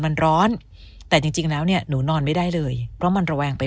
มันร้อนแต่จริงแล้วเนี่ยหนูนอนไม่ได้เลยเพราะมันระแวงไป